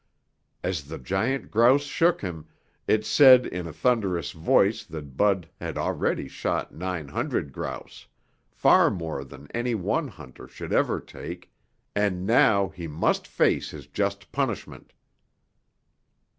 As the giant grouse shook him, it said in a thunderous voice that Bud had already shot nine hundred grouse, far more than any one hunter should ever take, and now he must face his just punishment.